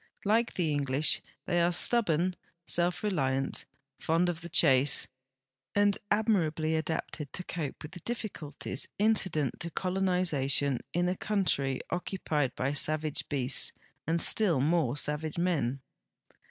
Like the English, they are stubborn, self reliant, fond of the chase, and admirably adapted to cope with the difficulties incident to colonization in a country occupied by savage beasts and still more savage men.